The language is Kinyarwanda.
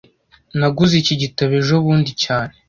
Naguze iki gitabo ejobundi cyane